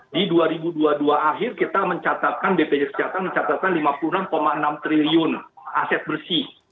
di dua ribu dua puluh dua akhir kita mencatatkan bpjs kesehatan mencatatkan lima puluh enam enam triliun aset bersih